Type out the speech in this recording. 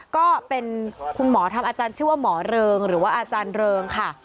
ก็เป็นคุณหมอทำอาจารย์ชื่อว่าหมอเริงหรือว่าอาจารย์เริงค่ะ